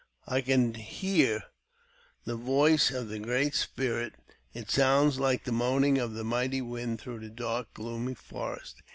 " I can hear the voice of the Great Spirit. It sounds Hke the moaning of the mighty wind through the dark, gloomy forest.